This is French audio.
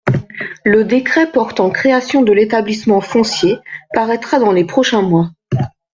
Le décret portant création de l’établissement foncier paraîtra dans les prochains mois.